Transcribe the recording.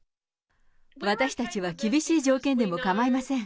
私たちは厳しい条件でも構いません。